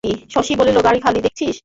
শশী বলিল, বাড়ি খালি দেখছি?